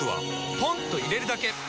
ポンと入れるだけ！